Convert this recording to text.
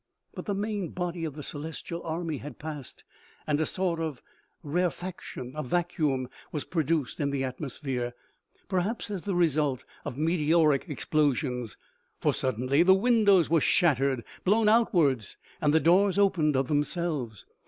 But the main body of the celestial army had passed, and a sort of rarefaction, of vacuum, was produced in the atmosphere, perhaps as the result of meteoric explosions ; for suddenly the windows were shattered, blown outwards, and the doors opened of themselves.